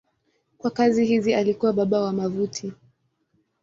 Kwa kazi hizi alikuwa baba wa wavuti.